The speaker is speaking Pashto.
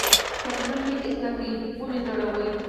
پتلون مې هم ایسته کړ، و مې ځړاوه.